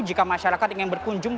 jika masyarakat ingin berkunjung